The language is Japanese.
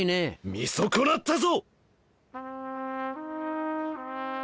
見損なったぞ！